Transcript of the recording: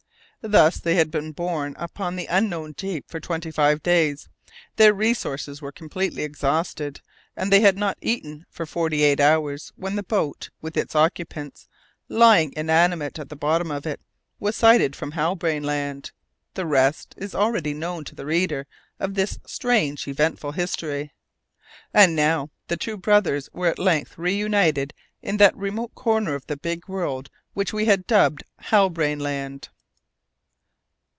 Thus had they been borne upon the unknown deep for twenty five days, their resources were completely exhausted, and they had not eaten for forty eight hours, when the boat, with its occupants lying inanimate at the bottom of it, was sighted from Halbrane Land. The rest is already known to the reader of this strange eventful history. And now the two brothers were at length reunited in that remote corner of the big world which we had dubbed Halbrane Land.